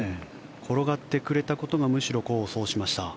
転がってくれたことがむしろ功を奏しました。